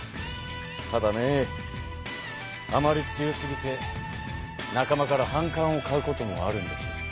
ただねあまり強すぎて仲間から反感を買うこともあるんです。